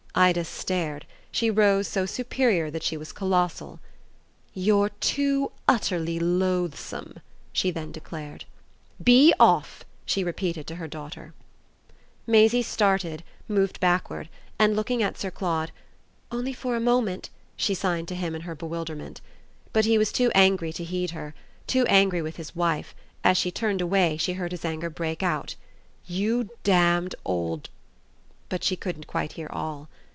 Ida stared; she rose so superior that she was colossal. "You're too utterly loathsome," she then declared. "Be off!" she repeated to her daughter. Maisie started, moved backward and, looking at Sir Claude, "Only for a moment," she signed to him in her bewilderment. But he was too angry to heed her too angry with his wife; as she turned away she heard his anger break out. "You damned old b " she couldn't quite hear all.